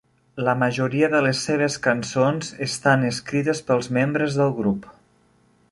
La majoria de les seves cançons estan escrites pels membres del grup.